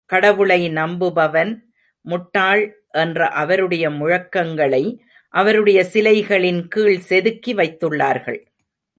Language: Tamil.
கடவுளை நம்புபவன் முட்டாள் என்ற அவருடைய முழக்கங்களை, அவருடைய சிலைகளின் கீழ் செதுக்கி வைத்துள்ளார்கள்.